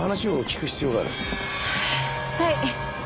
はい。